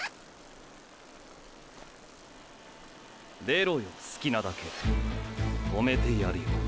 出ろよ好きなだけ。止めてやるよ。